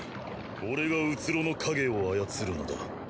俺が虚の影を操るのだ。